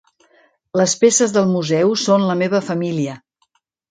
Les peces del museu són la meva família.